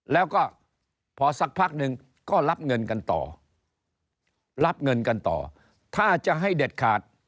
แล้วก็พอสักพักหนึ่งก็รับเงินกันต่อรับเงินกันต่อถ้าจะให้เด็ดขาด